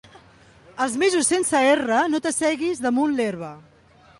Els mesos sense erra no t'asseguis damunt l'herba.